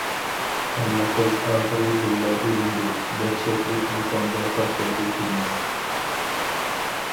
ھەممە قىز ئاخىرى بىرلا ئۆلۈمدۇر، دەھشەتلىك مۇقامغا تاشلايدۇ تۇرمۇش.